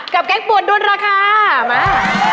กับแก๊กปวดด้วนราคามา